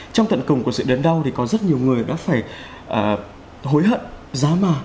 trong tận cùng của sự đớn đau thì có rất nhiều người đã phải hối hận giá mà